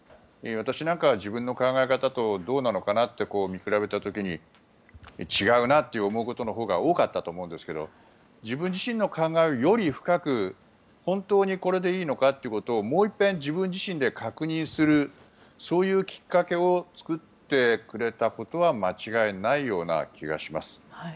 私なんかは自分の考え方とどうなのかなって見比べた時に違うなって思うことのほうが多かったと思うんですけど自分自身の考えを、より深く本当にこれでいいのかってことをもう一遍、自分自身で確認するそういうきっかけを作ってくれたことは間違いないような気がします。